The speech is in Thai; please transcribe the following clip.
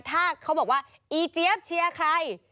ถ้าเขาบอกว่าอีเจี๊ยบเชียร์ใคร